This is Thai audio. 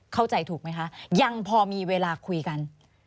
เข้าใจถูกไหมคะยังพอมีเวลาคุยกัน